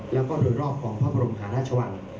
แล้วก็โดยรอบของพระบรมหาราชวัง